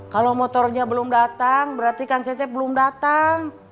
kalau motornya belum datang berarti kang cecep belum datang